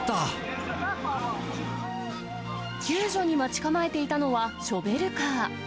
救助に待ち構えていたのはショベルカー。